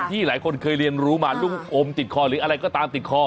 ที่หลายคนเคยเรียนรู้มาลูกอมติดคอหรืออะไรก็ตามติดคอ